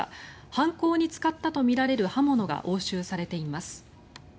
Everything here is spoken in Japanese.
犯行に使ったとみられる刃物が押収されています。